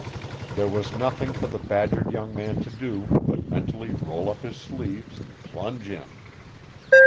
There was nothing for the badgered young man to do but mentally roll up his sleeves and plunge in.